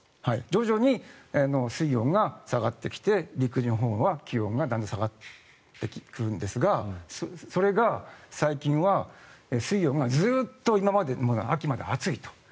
徐々に水温が下がってきて陸のほうは気温が下がってくるんですがそれが最近は水温がずっと今まで秋まで暑いと。